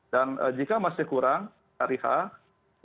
dan jika masih kurang tariha itu bisa diatur